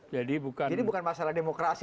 jadi bukan masalah demokrasi atau tidak demokrasi